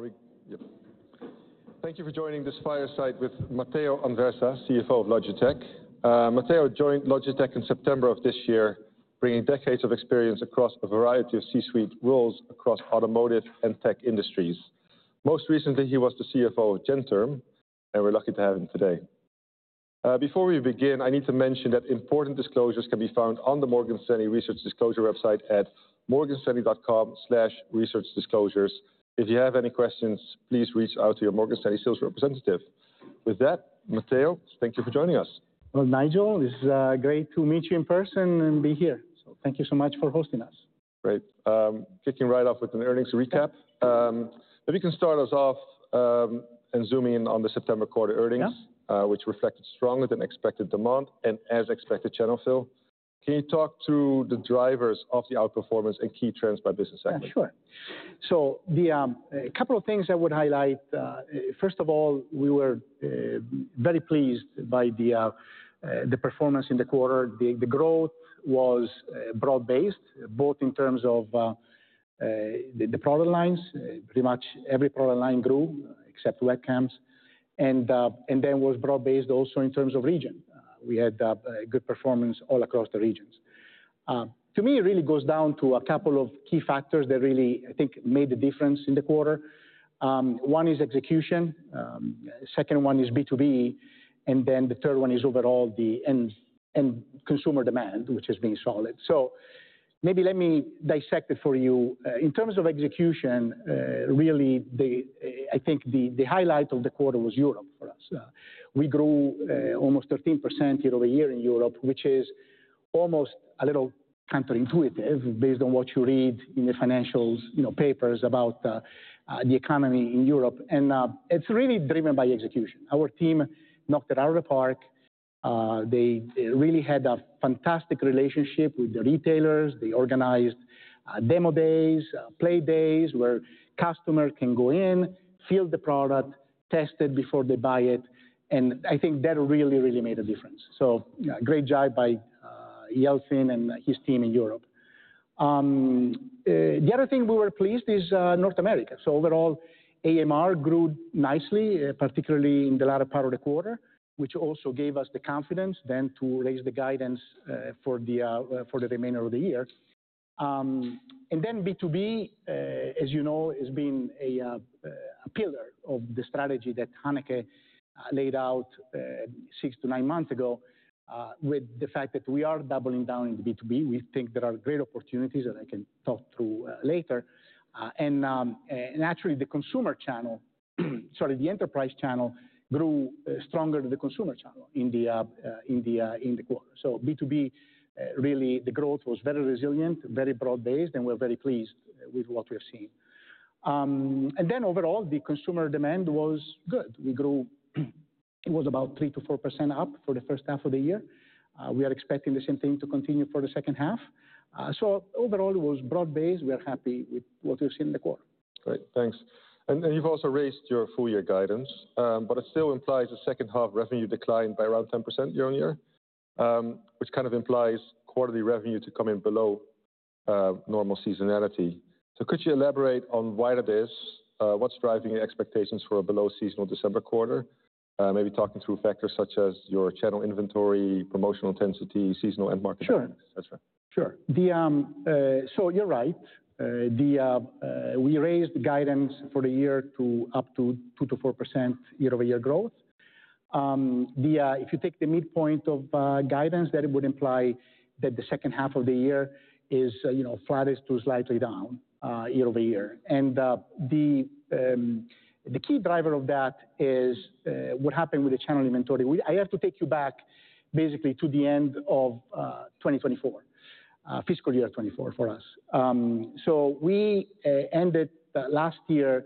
Right? Are we? Yep. Thank you for joining this fireside with Matteo Anversa, CFO of Logitech. Matteo joined Logitech in September of this year, bringing decades of experience across a variety of C-suite roles across automotive and tech industries. Most recently, he was the CFO of Gentherm, and we're lucky to have him today. Before we begin, I need to mention that important disclosures can be found on the Morgan Stanley Research Disclosure website at morganstanley.com/researchdisclosures. If you have any questions, please reach out to your Morgan Stanley sales representative. With that, Matteo, thank you for joining us. Nigel, this is great to meet you in person and be here. Thank you so much for hosting us. Great. Kicking right off with an earnings recap. If you can start us off, and zoom in on the September quarter earnings. Yeah. which reflected stronger than expected demand and, as expected, channel fill. Can you talk through the drivers of the outperformance and key trends by business segment? Yeah, sure. So a couple of things I would highlight. First of all, we were very pleased by the performance in the quarter. The growth was broad-based, both in terms of the product lines. Pretty much every product line grew, except webcams. And then was broad-based also in terms of region. We had good performance all across the regions. To me, it really goes down to a couple of key factors that really, I think, made the difference in the quarter. One is execution. Second one is B2B. And then the third one is overall the end consumer demand, which has been solid. So maybe let me dissect it for you. In terms of execution, really, I think the highlight of the quarter was Europe for us. We grew almost 13% year over year in Europe, which is almost a little counterintuitive based on what you read in the financials, you know, papers about the economy in Europe. And it's really driven by execution. Our team knocked it out of the park. They really had a fantastic relationship with the retailers. They organized demo days, play days where customers can go in, feel the product, test it before they buy it. And I think that really, really made a difference. So great job by Yalcin and his team in Europe. The other thing we were pleased is North America. So overall, AMR grew nicely, particularly in the latter part of the quarter, which also gave us the confidence then to raise the guidance for the remainder of the year. Then B2B, as you know, has been a pillar of the strategy that Hanneke laid out six to nine months ago, with the fact that we are doubling down in the B2B. We think there are great opportunities that I can talk through later. Actually the consumer channel, sorry, the enterprise channel grew stronger than the consumer channel in the quarter. B2B, really, the growth was very resilient, very broad-based, and we're very pleased with what we've seen. Overall, the consumer demand was good. We grew. It was about 3%-4% up for the first half of the year. We are expecting the same thing to continue for the second half. Overall, it was broad-based. We are happy with what we've seen in the quarter. Great. Thanks. And you've also raised your full-year guidance, but it still implies a second-half revenue decline by around 10% year-on-year, which kind of implies quarterly revenue to come in below normal seasonality. So could you elaborate on why that is, what's driving the expectations for a below-seasonal December quarter? Maybe talking through factors such as your channel inventory, promotional intensity, seasonal end market. Sure. Et cetera. Sure. So you're right. We raised the guidance for the year to up to 2%-4% year-over-year growth. If you take the midpoint of guidance, that would imply that the second half of the year is, you know, flat to slightly down year over year. The key driver of that is what happened with the channel inventory. I have to take you back basically to the end of 2024, fiscal year 2024 for us. We ended last year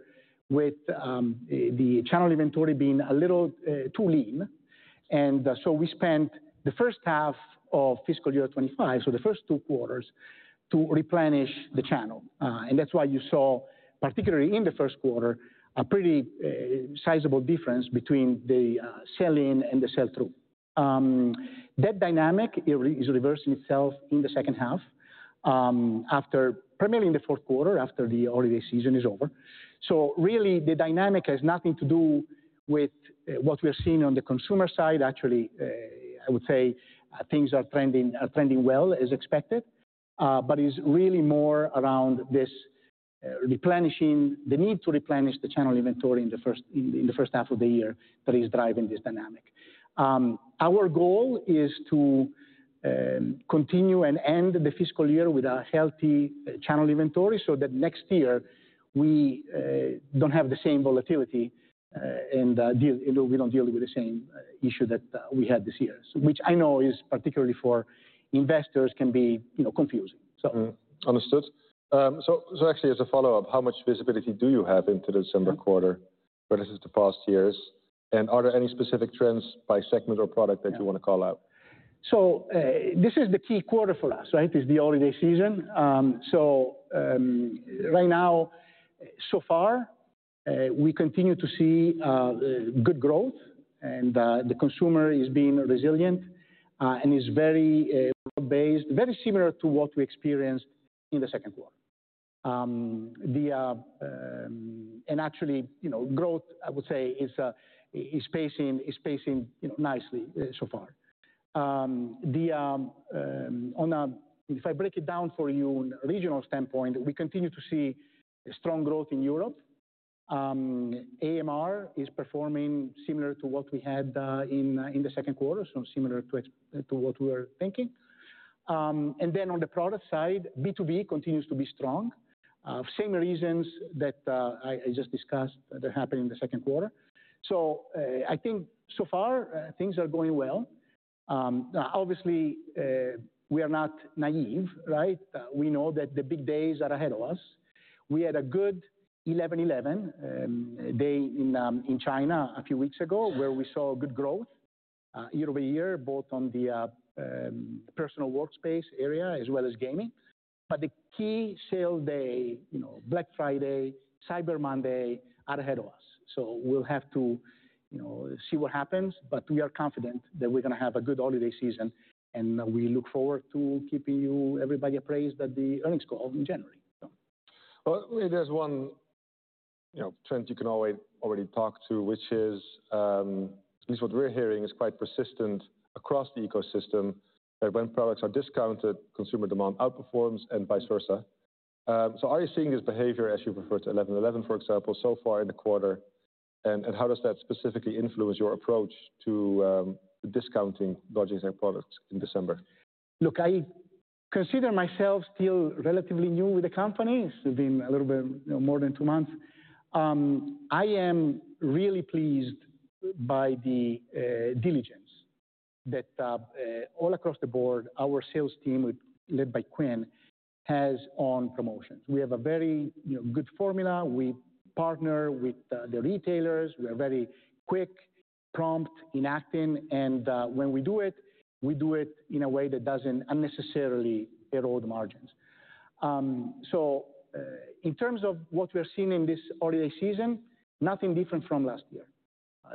with the channel inventory being a little too lean. We spent the first half of fiscal year 2025, so the first two quarters, to replenish the channel. That's why you saw, particularly in the first quarter, a pretty sizable difference between the sell-in and the sell-through. That dynamic is reversing itself in the second half, after primarily in the fourth quarter, after the holiday season is over. So really, the dynamic has nothing to do with what we are seeing on the consumer side. Actually, I would say, things are trending well as expected, but it's really more around this replenishing, the need to replenish the channel inventory in the first half of the year that is driving this dynamic. Our goal is to continue and end the fiscal year with a healthy channel inventory so that next year we don't have the same volatility, and you know, we don't deal with the same issue that we had this year, which I know is particularly for investors can be, you know, confusing. So. Mm-hmm. Understood. So actually as a follow-up, how much visibility do you have into the December quarter versus the past years? And are there any specific trends by segment or product that you wanna call out? So, this is the key quarter for us, right? It's the holiday season. So, right now, so far, we continue to see good growth and the consumer is being resilient and is very broad-based, very similar to what we experienced in the Q2. And actually, you know, growth I would say is pacing nicely so far. On a regional standpoint, if I break it down for you, we continue to see strong growth in Europe. AMR is performing similar to what we had in the Q2, so similar to what we were thinking. And then on the product side, B2B continues to be strong, same reasons that I just discussed that happened in the Q2. So, I think so far, things are going well. Obviously, we are not naive, right? We know that the big days are ahead of us. We had a good 11.11 day in China a few weeks ago where we saw good growth, year over year, both on the personal workspace area as well as gaming, but the key sale day, you know, Black Friday, Cyber Monday are ahead of us, so we'll have to, you know, see what happens, but we are confident that we're gonna have a good holiday season, and we look forward to keeping you, everybody, apprise at the earnings call in January. It is one, you know, trend you can always already talk to, which is at least what we're hearing is quite persistent across the ecosystem that when products are discounted, consumer demand outperforms and vice versa. So are you seeing this behavior as you refer to 11.11, for example, so far in the quarter? And how does that specifically influence your approach to discounting Logitech products in December? Look, I consider myself still relatively new with the company. It's been a little bit, you know, more than two months. I am really pleased by the diligence that, all across the board, our sales team, led by Quinn, has on promotions. We have a very, you know, good formula. We partner with the retailers. We are very quick, prompt, enacting. And when we do it, we do it in a way that doesn't unnecessarily erode margins. So, in terms of what we're seeing in this holiday season, nothing different from last year.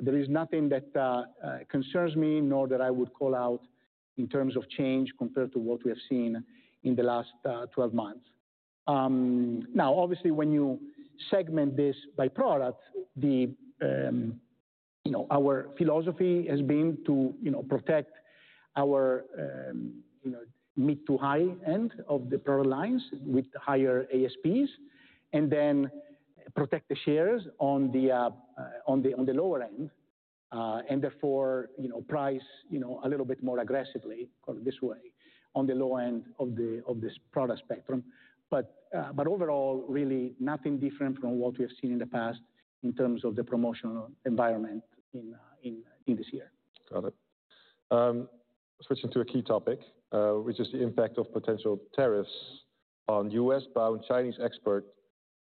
There is nothing that concerns me nor that I would call out in terms of change compared to what we have seen in the last 12 months. Now, obviously, when you segment this by product, you know, our philosophy has been to, you know, protect our, you know, mid to high end of the product lines with higher ASPs and then protect the shares on the lower end, and therefore, you know, price, you know, a little bit more aggressively, call it this way, on the low end of the product spectrum. But overall, really nothing different from what we have seen in the past in terms of the promotional environment in this year. Got it. Switching to a key topic, which is the impact of potential tariffs on U.S.-bound Chinese export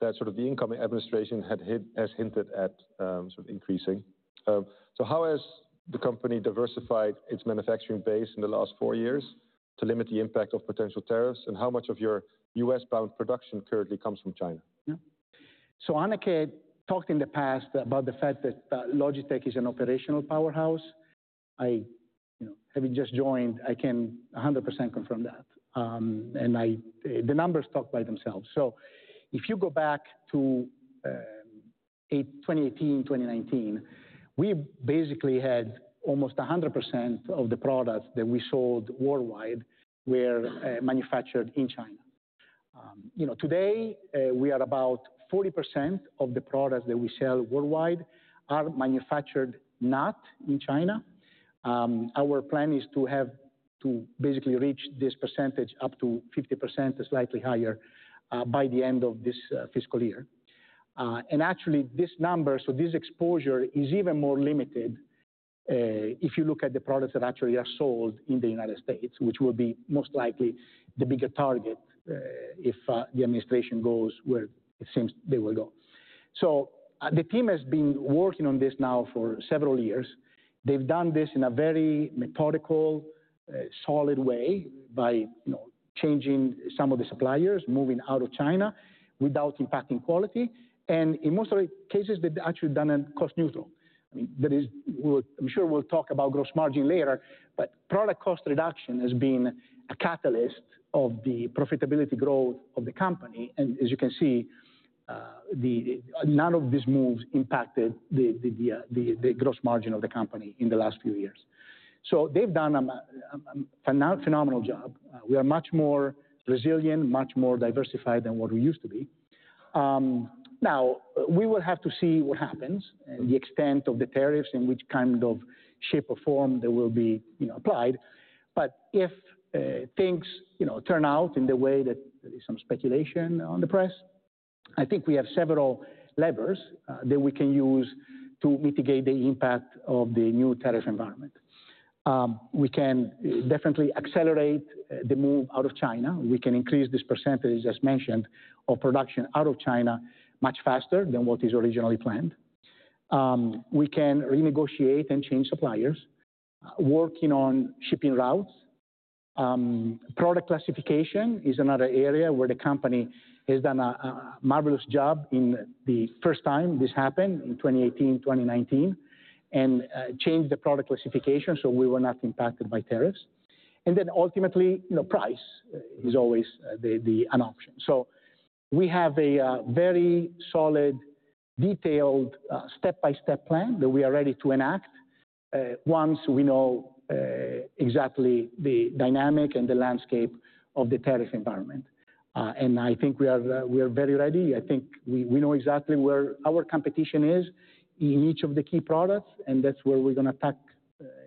that sort of the incoming administration had hint, has hinted at, sort of increasing. So how has the company diversified its manufacturing base in the last four years to limit the impact of potential tariffs? And how much of your U.S.-bound production currently comes from China? Yeah. So Hanneke talked in the past about the fact that Logitech is an operational powerhouse. I, you know, having just joined, I can 100% confirm that. And I, the numbers talk by themselves. So if you go back to 2018, 2019, we basically had almost 100% of the products that we sold worldwide were manufactured in China. You know, today, we are about 40% of the products that we sell worldwide are manufactured not in China. Our plan is to have to basically reach this percentage up to 50%, slightly higher, by the end of this fiscal year. And actually this number, so this exposure is even more limited, if you look at the products that actually are sold in the United States, which will be most likely the bigger target, if the administration goes where it seems they will go. So, the team has been working on this now for several years. They've done this in a very methodical, solid way by, you know, changing some of the suppliers, moving out of China without impacting quality. And in most of the cases, they've actually done it cost neutral. I mean, I'm sure we'll talk about gross margin later, but product cost reduction has been a catalyst of the profitability growth of the company. And as you can see, none of these moves impacted the gross margin of the company in the last few years. So they've done a phenomenal job. We are much more resilient, much more diversified than what we used to be. Now we will have to see what happens and the extent of the tariffs and which kind of shape or form there will be, you know, applied. But if things, you know, turn out in the way that there is some speculation on the press, I think we have several levers that we can use to mitigate the impact of the new tariff environment. We can definitely accelerate the move out of China. We can increase this percentage, as mentioned, of production out of China much faster than what is originally planned. We can renegotiate and change suppliers, working on shipping routes. Product classification is another area where the company has done a marvelous job in the first time this happened in 2018, 2019, and changed the product classification so we were not impacted by tariffs, and then ultimately, you know, price is always the an option. So we have a very solid, detailed, step-by-step plan that we are ready to enact once we know exactly the dynamic and the landscape of the tariff environment. And I think we are very ready. I think we know exactly where our competition is in each of the key products, and that's where we're gonna attack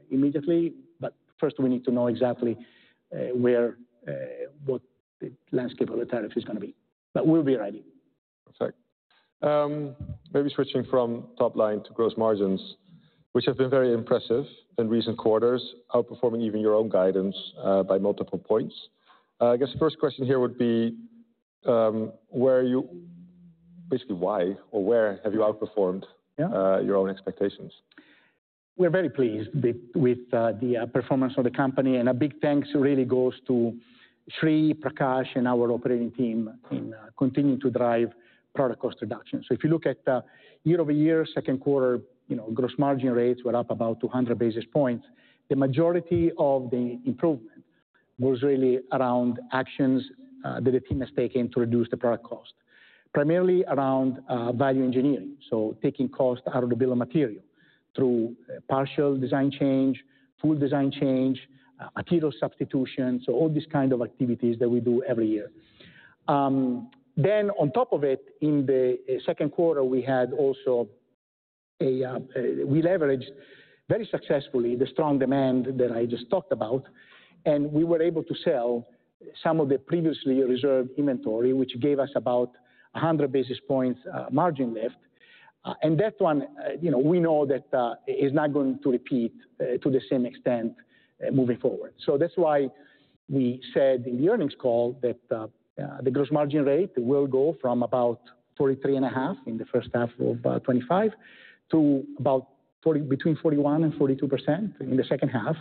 immediately. But first we need to know exactly where what the landscape of the tariff is gonna be, but we'll be ready. Perfect. Maybe switching from top line to gross margins, which have been very impressive in recent quarters, outperforming even your own guidance, by multiple points. I guess the first question here would be, where are you basically why or where have you outperformed. Yeah. your own expectations? We're very pleased with the performance of the company. And a big thanks really goes to Sri, Prakash, and our operating team in continuing to drive product cost reduction. So if you look at year over year, Q2, you know, gross margin rates were up about 200 basis points. The majority of the improvement was really around actions that the team has taken to reduce the product cost, primarily around value engineering. So taking cost out of the bill of material through partial design change, full design change, material substitution. So all these kind of activities that we do every year, then on top of it, in the Q2, we leveraged very successfully the strong demand that I just talked about, and we were able to sell some of the previously reserved inventory, which gave us about 100 basis points margin lift. And that one, you know, we know that, is not going to repeat, to the same extent, moving forward. So that's why we said in the earnings call that, the gross margin rate will go from about 43.5% in the first half of 2025 to about 40%-42% in the second half.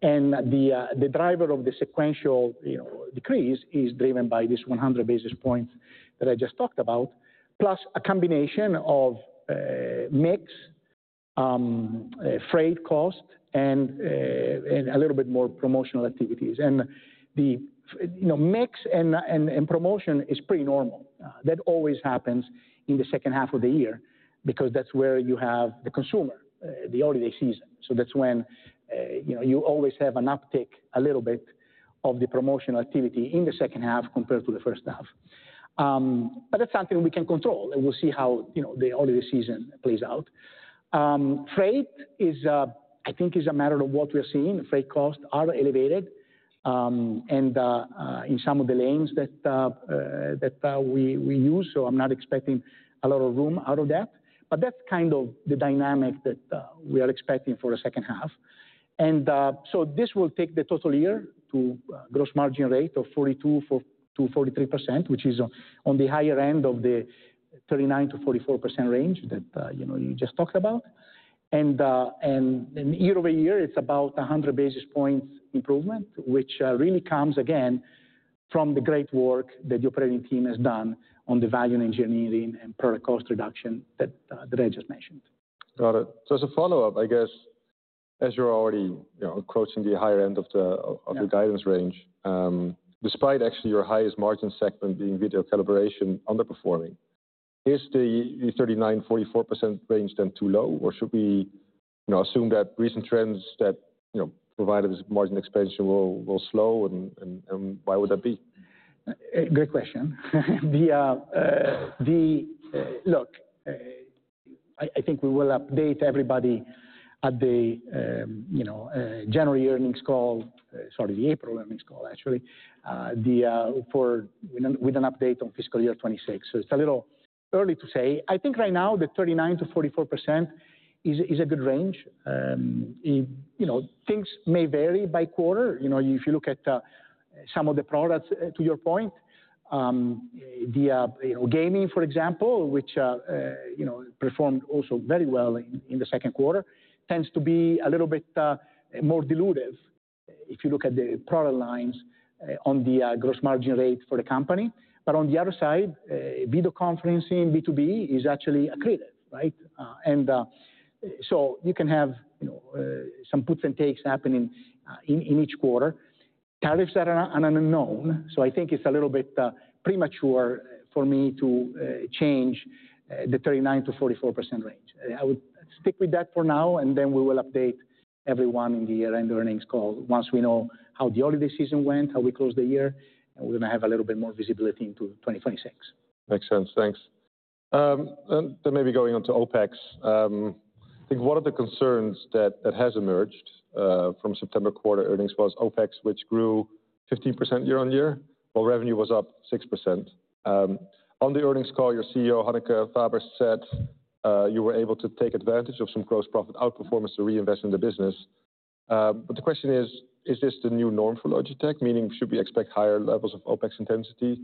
And the driver of the sequential, you know, decrease is driven by this 100 basis points that I just talked about, plus a combination of mix, freight cost, and a little bit more promotional activities. And the, you know, mix and promotion is pretty normal. That always happens in the second half of the year because that's where you have the consumer, the holiday season. That's when, you know, you always have an uptick a little bit of the promotional activity in the second half compared to the first half. That's something we can control. We'll see how, you know, the holiday season plays out. Freight is, I think, a matter of what we are seeing. Freight costs are elevated, and in some of the lanes that we use. I'm not expecting a lot of room out of that. That's kind of the dynamic that we are expecting for the second half. This will take the total year to gross margin rate of 42%-43%, which is on the higher end of the 39%-44% range that, you know, you just talked about. Year over year, it's about 100 basis points improvement, which really comes again from the great work that the operating team has done on the value engineering and product cost reduction that I just mentioned. Got it. So as a follow-up, I guess, as you're already, you know, approaching the higher end of the, of the guidance range, despite actually your highest margin segment being video collaboration underperforming, is the 39%-44% range then too low? Or should we, you know, assume that recent trends that, you know, provided this margin expansion will, will slow? And why would that be? Great question. The look, I think we will update everybody at the January earnings call, sorry, the April earnings call, actually, with an update on fiscal year 2026. So it's a little early to say. I think right now the 39%-44% is a good range. You know, things may vary by quarter. You know, if you look at some of the products, to your point, the gaming, for example, which performed also very well in the Q2, tends to be a little bit more dilutive if you look at the product lines on the gross margin rate for the company. But on the other side, video conferencing B2B is actually accretive, right? And so you can have some puts and takes happening in each quarter. Tariffs are an unknown. So I think it's a little bit premature for me to change the 39%-44% range. I would stick with that for now, and then we will update everyone in the year-end earnings call once we know how the holiday season went, how we closed the year, and we're gonna have a little bit more visibility into 2026. Makes sense. Thanks. Then maybe going on to OpEX, I think one of the concerns that has emerged from September quarter earnings was OpEX, which grew 15% year on year while revenue was up 6%. On the earnings call, your CEO, Hanneke Faber, said you were able to take advantage of some gross profit outperformance to reinvest in the business. But the question is, is this the new norm for Logitech? Meaning, should we expect higher levels of OpEX intensity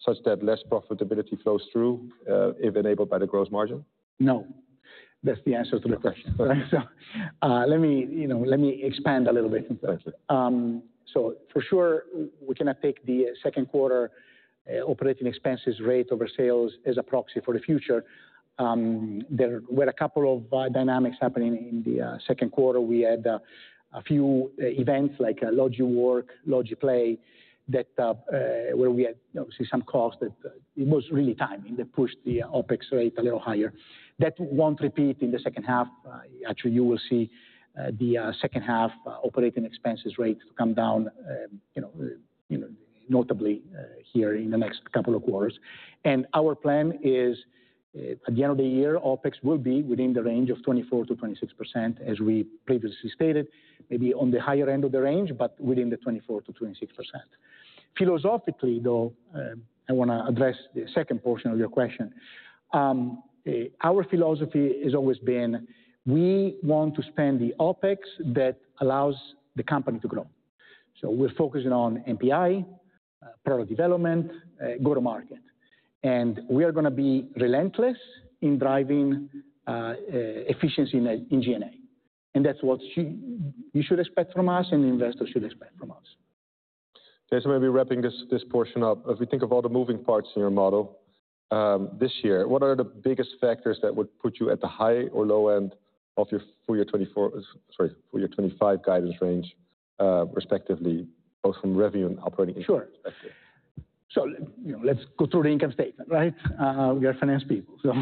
such that less profitability flows through, if enabled by the gross margin? No. That's the answer to the question. So, let me, you know, let me expand a little bit. Certainly. So for sure, we cannot take the Q2 operating expenses rate over sales as a proxy for the future. There were a couple of dynamics happening in the Q2. We had a few events like Logi Work, Logi Play that where we had you know see some cost that it was really timing that pushed the OpEx rate a little higher. That won't repeat in the second half. Actually, you will see the second half operating expenses rate to come down you know you know notably here in the next couple of quarters. And our plan is at the end of the year OpEx will be within the range of 24%-26%, as we previously stated, maybe on the higher end of the range, but within the 24%-26%. Philosophically, though, I wanna address the second portion of your question. Our philosophy has always been we want to spend the OpEx that allows the company to grow. So we're focusing on NPI, product development, go-to-market. And we are gonna be relentless in driving efficiency in G&A. And that's what you should expect from us and investors should expect from us. Okay. So maybe wrapping this portion up, if we think of all the moving parts in your model, this year, what are the biggest factors that would put you at the high or low end of your full year 2024, sorry, full year 2025 guidance range, respectively, both from revenue and operating income perspective? Sure. So, you know, let's go through the income statement, right? We are finance people. So,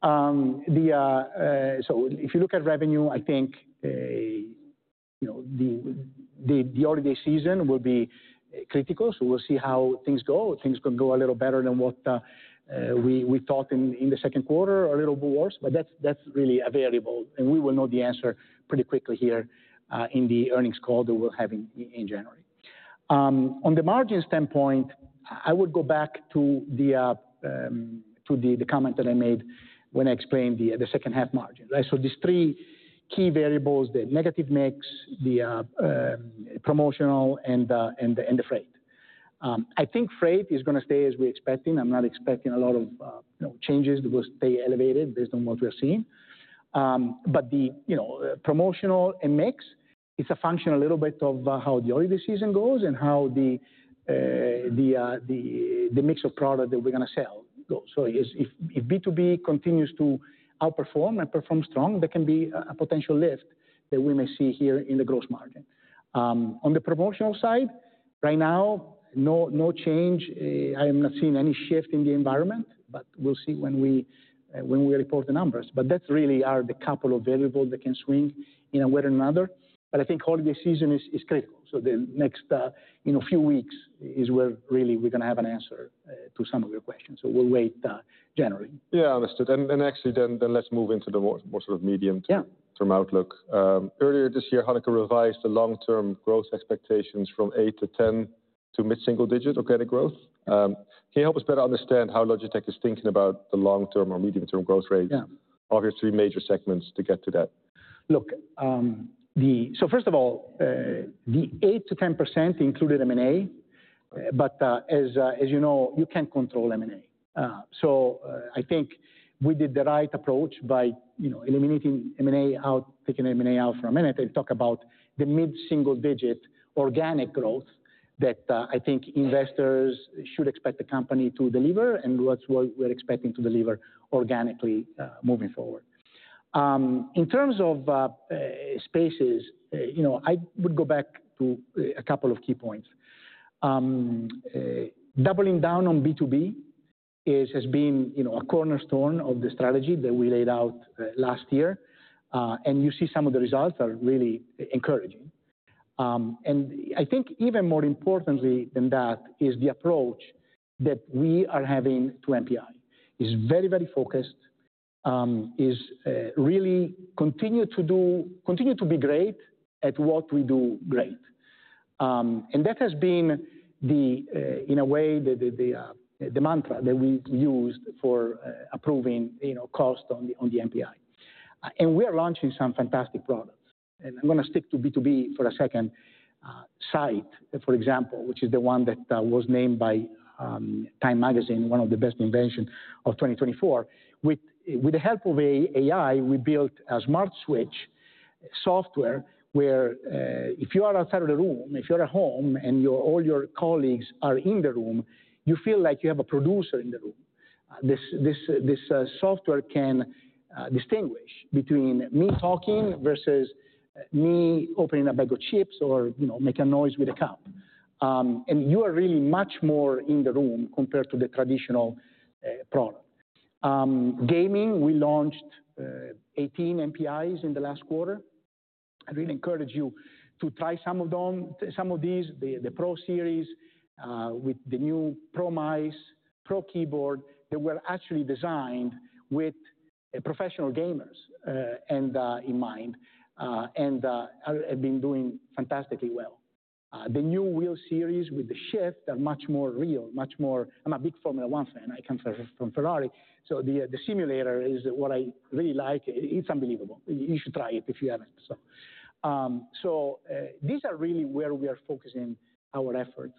if you look at revenue, I think, you know, the holiday season will be critical. So we'll see how things go. Things can go a little better than what we thought in the Q2, a little worse, but that's really available. And we will know the answer pretty quickly here, in the earnings call that we'll have in January. On the margin standpoint, I would go back to the comment that I made when I explained the second half margin, right? So these three key variables, the negative mix, the promotional and the freight. I think freight is gonna stay as we're expecting. I'm not expecting a lot of, you know, changes that will stay elevated based on what we are seeing. But the, you know, promotional and mix, it's a function a little bit of, how the holiday season goes and how the mix of product that we're gonna sell goes. If B2B continues to outperform and perform strong, there can be a potential lift that we may see here in the gross margin. On the promotional side, right now, no, no change. I am not seeing any shift in the environment, but we'll see when we report the numbers. But that's really are the couple of variables that can swing in a way or another. I think holiday season is critical. The next, you know, few weeks is where really we're gonna have an answer, to some of your questions. We'll wait, January. Yeah, understood, and actually then let's move into the more sort of medium term. Yeah. Long-term outlook. Earlier this year, Hanneke revised the long-term growth expectations from eight to 10 to mid-single-digit organic growth. Can you help us better understand how Logitech is thinking about the long-term or medium-term growth rates? Yeah. Obviously, major segments to get to that. Look, so first of all, the 8-10% included M&A, but as you know, you can't control M&A. So, I think we did the right approach by, you know, eliminating M&A out, taking M&A out for a minute and talk about the mid-single digit organic growth that, I think, investors should expect the company to deliver and what we're expecting to deliver organically, moving forward. In terms of spaces, you know, I would go back to a couple of key points. Doubling down on B2B has been, you know, a cornerstone of the strategy that we laid out last year, and you see some of the results are really encouraging, and I think even more importantly than that is the approach that we are having to NPI is very, very focused, really continue to be great at what we do great. and that has been, in a way, the mantra that we used for approving, you know, costs on the NPI. And we are launching some fantastic products. I'm gonna stick to B2B for a second. Sight, for example, which is the one that was named by Time Magazine one of the best inventions of 2024. With the help of AI, we built a smart switch software where, if you are outside of the room, if you're at home and all your colleagues are in the room, you feel like you have a producer in the room. This software can distinguish between me talking versus me opening a bag of chips or, you know, make a noise with a cup. And you are really much more in the room compared to the traditional product. Gaming, we launched 18 NPIs in the last quarter. I really encourage you to try some of them, some of these, the PRO series, with the new PRO Mice, PRO Keyboard that were actually designed with professional gamers in mind, and have been doing fantastically well. The new wheel series with the shift are much more real. Much more. I'm a big Formula One fan. I come from Ferrari. So the simulator is what I really like. It's unbelievable. You should try it if you haven't. So these are really where we are focusing our efforts.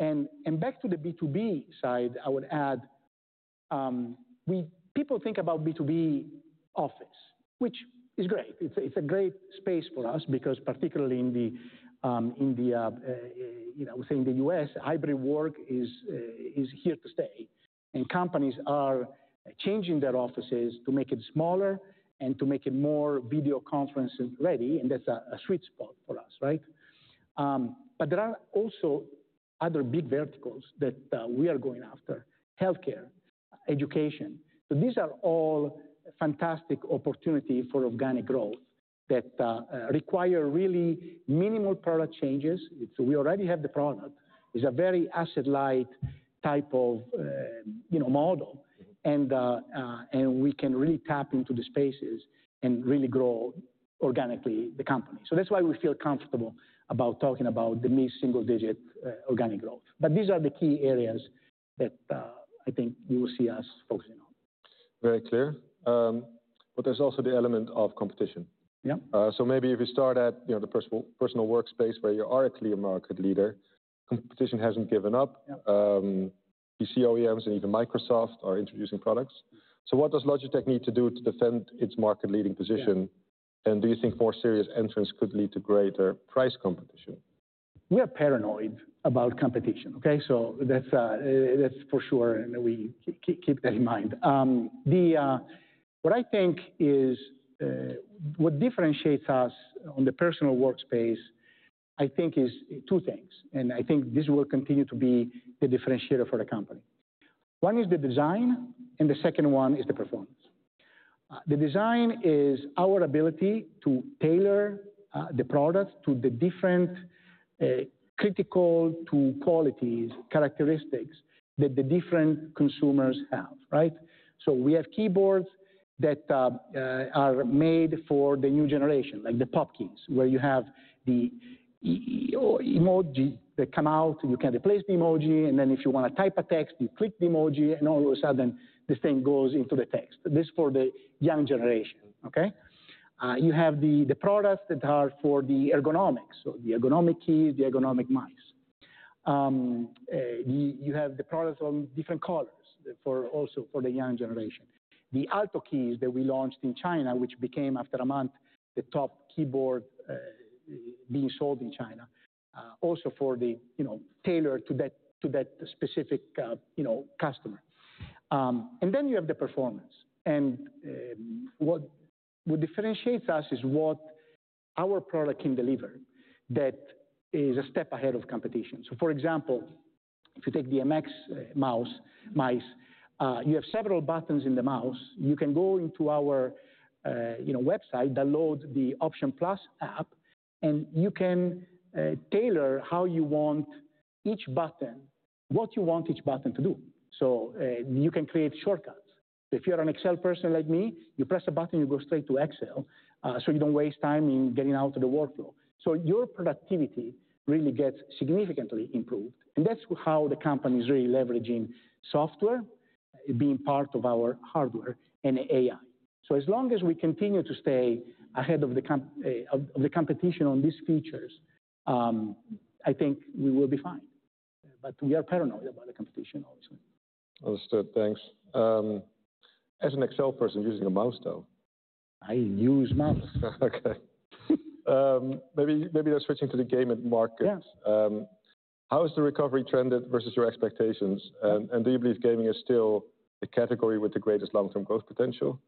And back to the B2B side, I would add, we people think about B2B office, which is great. It's a great space for us because particularly in the, you know, I would say in the U.S., hybrid work is here to stay. Companies are changing their offices to make it smaller and to make it more video conferencing ready. That's a sweet spot for us, right? There are also other big verticals that we are going after: healthcare, education. These are all fantastic opportunities for organic growth that require really minimal product changes. We already have the product. It's a very asset-light type of, you know, model. We can really tap into the spaces and really grow organically the company. That's why we feel comfortable about talking about the mid-single-digit organic growth. These are the key areas that I think you will see us focusing on. Very clear, but there's also the element of competition. Yeah. Maybe if you start at, you know, the personal workspace where you are a clear market leader, competition hasn't given up. Yeah. You see OEMs and even Microsoft are introducing products. So what does Logitech need to do to defend its market-leading position? And do you think more serious entrants could lead to greater price competition? We are paranoid about competition, okay? So that's for sure. And we keep that in mind. What I think is, what differentiates us on the personal workspace, I think is two things. And I think this will continue to be the differentiator for the company. One is the design, and the second one is the performance. The design is our ability to tailor the product to the different critical-to-quality characteristics that the different consumers have, right? So we have keyboards that are made for the new generation, like the POP Keys, where you have the emoji that come out, you can replace the emoji, and then if you wanna type a text, you click the emoji, and all of a sudden this thing goes into the text. This for the young generation, okay? You have the products that are for the ergonomics. So the ergonomic keys, the ergonomic mice. You have the products on different colors for also for the young generation. The Alto keys that we launched in China, which became after a month the top keyboard being sold in China, also for the, you know, tailored to that, to that specific, you know, customer, and then you have the performance, and what differentiates us is what our product can deliver that is a step ahead of competition. So for example, if you take the MX mouse, mice, you have several buttons in the mouse. You can go into our, you know, website that loads the Options+ app, and you can tailor how you want each button, what you want each button to do. So you can create shortcuts. If you're an Excel person like me, you press a button, you go straight to Excel, so you don't waste time in getting out of the workflow. Your productivity really gets significantly improved. That's how the company is really leveraging software, being part of our hardware and AI. As long as we continue to stay ahead of the comp, of the competition on these features, I think we will be fine. We are paranoid about the competition, obviously. Understood. Thanks. As an Excel person using a mouse, though. I use mouse. Okay. Maybe now switching to the gaming market. Yes. How has the recovery trended versus your expectations? And do you believe gaming is still a category with the greatest long-term growth potential?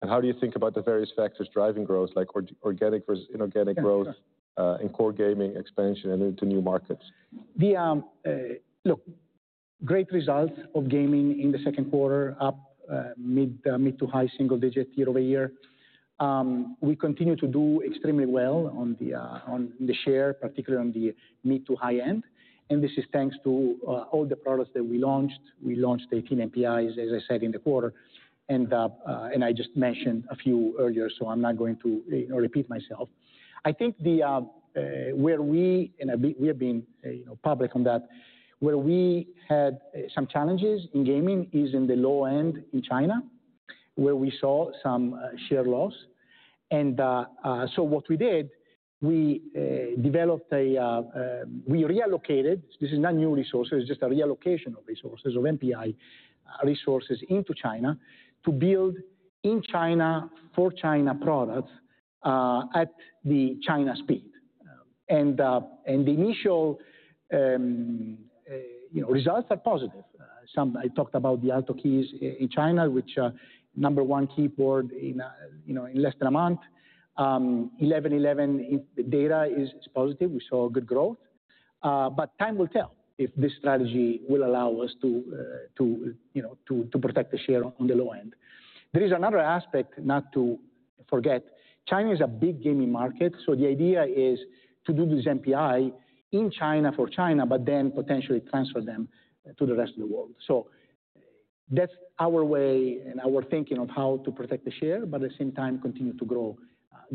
And how do you think about the various factors driving growth, like organic versus inorganic growth, in core gaming expansion and into new markets? Look, great results of gaming in the Q2, up mid- to high-single-digit year over year. We continue to do extremely well on the share, particularly on the mid- to high-end. And this is thanks to all the products that we launched. We launched 18 NPIs, as I said, in the quarter. And I just mentioned a few earlier, so I'm not going to, you know, repeat myself. I think where we have been, you know, public on that, where we had some challenges in gaming is in the low end in China, where we saw some share loss. And so what we did, we reallocated. This is not new resources, it's just a reallocation of resources of NPI resources into China to build in China for China products, at the China speed. And the initial you know results are positive. So, I talked about the MX Keys in China, which number one keyboard in you know in less than a month. 11.11 data is positive. We saw good growth. But time will tell if this strategy will allow us to you know to protect the share on the low end. There is another aspect not to forget. China is a big gaming market. So the idea is to do this NPI in China for China, but then potentially transfer them to the rest of the world. So that's our way and our thinking of how to protect the share, but at the same time continue to grow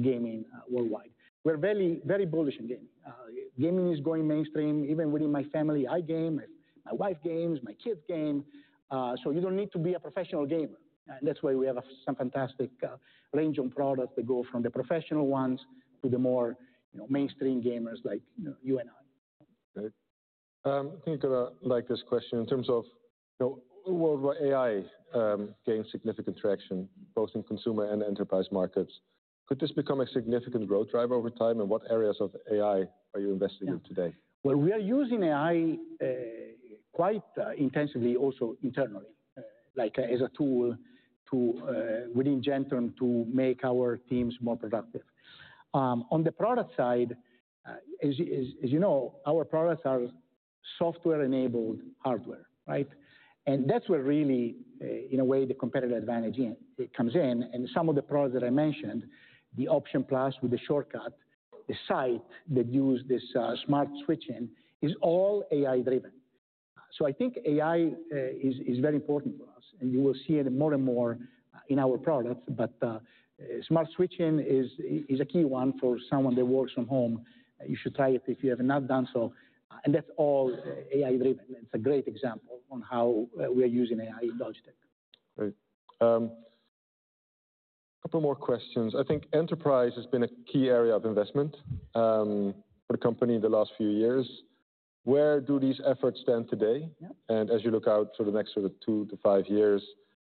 gaming worldwide. We're very very bullish on gaming. Gaming is going mainstream. Even within my family, I game, my wife games, my kids game. So you don't need to be a professional gamer, and that's why we have some fantastic, range of products that go from the professional ones to the more, you know, mainstream gamers like, you know, you and I. Great. I think you're gonna like this question in terms of, you know, worldwide AI gained significant traction both in consumer and enterprise markets. Could this become a significant growth driver over time? And what areas of AI are you investing in today? We are using AI quite intensively also internally, like as a tool to within Gentherm to make our teams more productive. On the product side, as you know, our products are software-enabled hardware, right? And that's where really, in a way, the competitive advantage comes in. And some of the products that I mentioned, the Options+ with the shortcut, the Sight that used this, smart switching is all AI-driven. So I think AI is very important for us. And you will see it more and more in our products. But smart switching is a key one for someone that works from home. You should try it if you have not done so. And that's all AI-driven. It's a great example of how we are using AI in Logitech. Great. A couple more questions. I think enterprise has been a key area of investment for the company in the last few years. Where do these efforts stand today? Yeah. As you look out for the next sort of two to five years,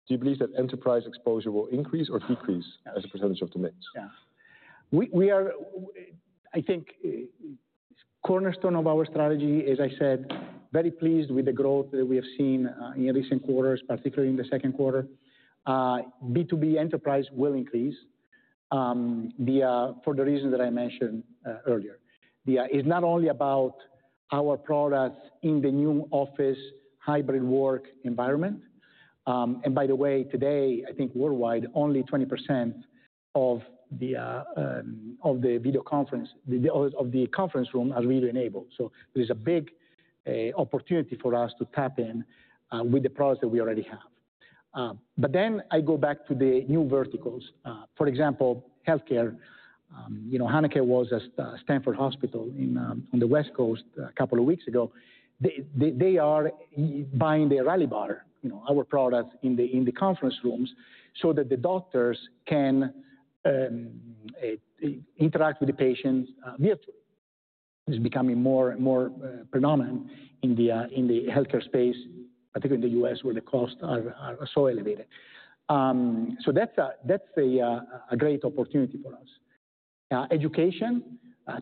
do you believe that enterprise exposure will increase or decrease as a percentage of the mix? Yeah. We are, I think, cornerstone of our strategy, as I said, very pleased with the growth that we have seen in recent quarters, particularly in the Q2. B2B enterprise will increase for the reason that I mentioned earlier. It's not only about our products in the new office hybrid work environment, and by the way, today I think worldwide only 20% of the video conference rooms are really enabled. So there is a big opportunity for us to tap in with the products that we already have, but then I go back to the new verticals, for example, healthcare. You know, Hanneke was at Stanford Hospital on the West Coast a couple of weeks ago. They are buying their Rally Bar, you know, our products in the conference rooms so that the doctors can interact with the patients virtually. It's becoming more and more predominant in the healthcare space, particularly in the U.S., where the costs are so elevated. So that's a great opportunity for us. Education,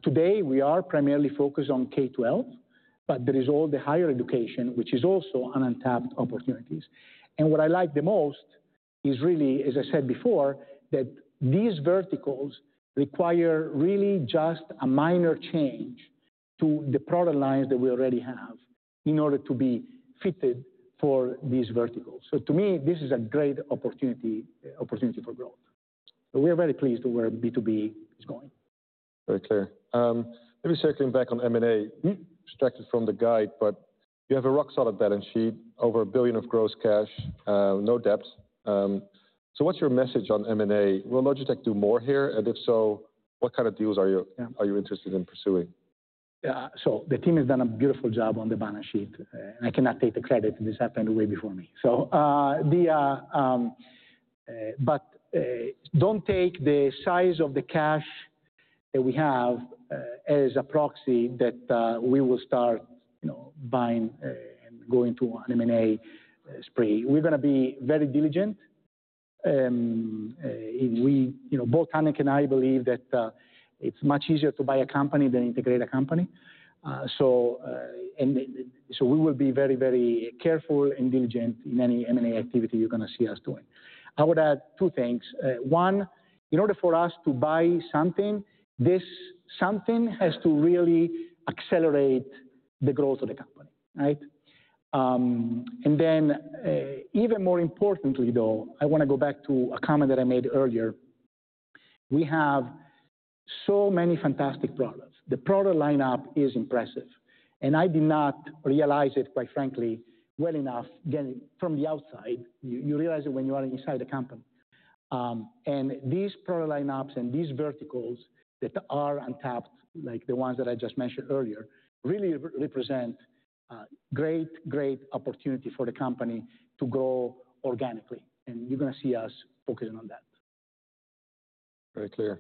today we are primarily focused on K-12, but there is all the higher education, which is also untapped opportunities. And what I like the most is really, as I said before, that these verticals require really just a minor change to the product lines that we already have in order to be fitted for these verticals. So to me, this is a great opportunity for growth. So we are very pleased to where B2B is going. Very clear. Maybe circling back on M&A, you extracted from the guide, but you have a rock-solid balance sheet, over a billion of gross cash, no debt. So what's your message on M&A? Will Logitech do more here? And if so, what kind of deals are you interested in pursuing? Yeah. So the team has done a beautiful job on the balance sheet, and I cannot take the credit. This happened way before me. So don't take the size of the cash that we have as a proxy that we will start, you know, buying and going to an M&A spree. We're gonna be very diligent. You know, both Hanneke and I believe that it's much easier to buy a company than integrate a company. And so we will be very, very careful and diligent in any M&A activity you're gonna see us doing. I would add two things. One, in order for us to buy something, this something has to really accelerate the growth of the company, right? And then, even more importantly, though, I wanna go back to a comment that I made earlier. We have so many fantastic products. The product lineup is impressive. And I did not realize it, quite frankly, well enough from the outside. You, you realize it when you are inside the company. And these product lineups and these verticals that are untapped, like the ones that I just mentioned earlier, really represent a great, great opportunity for the company to grow organically. And you're gonna see us focusing on that. Very clear.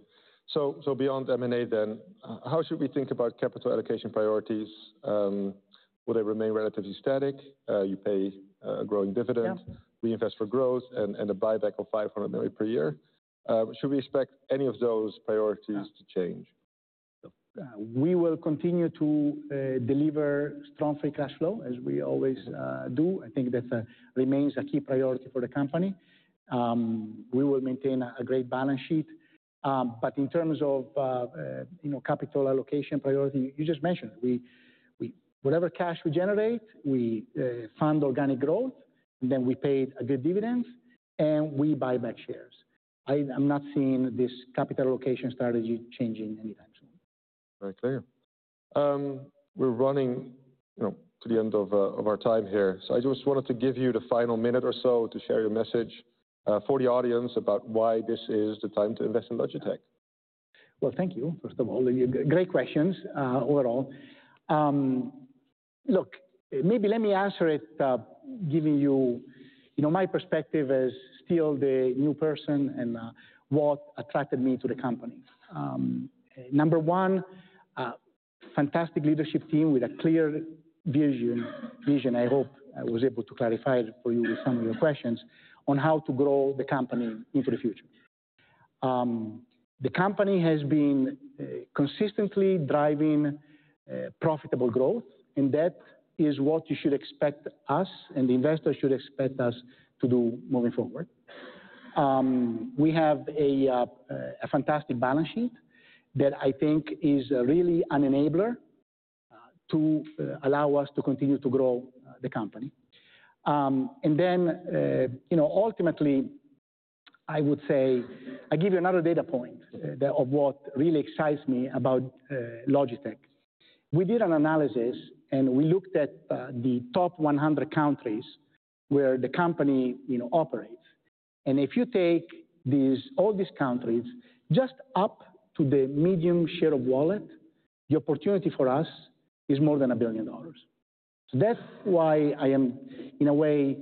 So, beyond M&A then, how should we think about capital allocation priorities? Will they remain relatively static? You pay a growing dividend. Yeah. We invest for growth and a buyback of $500 million per year. Should we expect any of those priorities to change? We will continue to deliver strong free cash flow as we always do. I think that remains a key priority for the company. We will maintain a great balance sheet. But in terms of you know capital allocation priority you just mentioned, whatever cash we generate, we fund organic growth, and then we pay a good dividends, and we buy back shares. I'm not seeing this capital allocation strategy changing anytime soon. Very clear. We're running, you know, to the end of our time here. So I just wanted to give you the final minute or so to share your message for the audience about why this is the time to invest in Logitech. Thank you, first of all. You've got great questions, overall. Look, maybe let me answer it, giving you, you know, my perspective as still the new person and what attracted me to the company. Number one, fantastic leadership team with a clear vision. I hope I was able to clarify for you with some of your questions on how to grow the company into the future. The company has been consistently driving profitable growth, and that is what you should expect us and the investors should expect us to do moving forward. We have a fantastic balance sheet that I think is really an enabler to allow us to continue to grow the company. Then, you know, ultimately, I would say, I'll give you another data point of what really excites me about Logitech. We did an analysis and we looked at the top 100 countries where the company, you know, operates. And if you take these, all these countries, just up to the medium share of wallet, the opportunity for us is more than $1 billion. So that's why I am, in a way,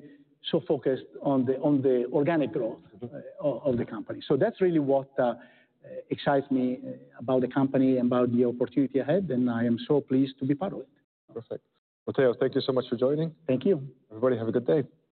so focused on the organic growth of the company. So that's really what excites me about the company and about the opportunity ahead. And I am so pleased to be part of it. Perfect. Matteo, thank you so much for joining. Thank you. Everybody have a good day.